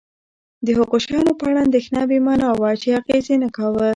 د هغو شیانو په اړه اندېښنه بې مانا وه چې اغېز یې نه کاوه.